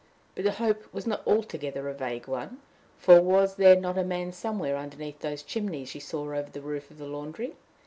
But the hope was not altogether a vague one; for was there not a man somewhere underneath those chimneys she saw over the roof of the laundry?